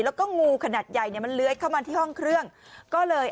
แล้วก็งูขนาดใหญ่เนี่ยมันเลื้อยเข้ามาที่ห้องเครื่องก็เลย